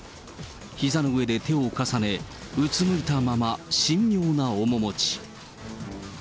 ひざの上で手を重ね、うつむいたまま神妙な面持ち。